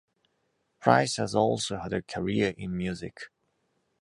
Price has also had a career in music.